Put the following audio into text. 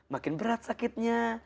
makin berat sakitnya